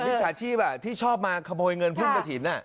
มิตรสาชีพอ่ะที่ชอบมาขโมยเงินพุ่มกระถิ่นอ่ะ